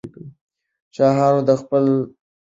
شاهانو د ملالۍ په اړه هېڅ نه دي کړي.